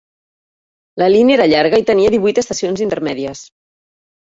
La línia era llarga i tenia divuit estacions intermèdies.